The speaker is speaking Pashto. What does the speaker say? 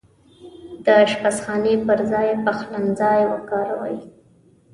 د اشپزخانې پرځاي پخلنځای وکاروئ